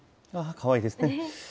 かわいいですね。